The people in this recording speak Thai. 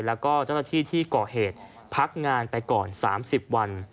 และก็เจ้าตะที่ที่เกาะเหตุพักงานไปก่อน๓๐วัน